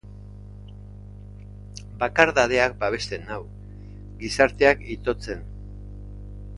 Bakardadeak babesten nau; gizarteak itotzen.